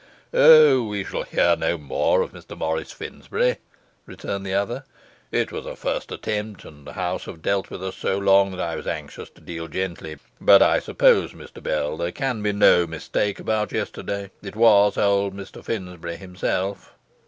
'O, we shall hear no more of Mr Morris Finsbury,' returned the other; 'it was a first attempt, and the house have dealt with us so long that I was anxious to deal gently. But I suppose, Mr Bell, there can be no mistake about yesterday? It was old Mr Finsbury himself?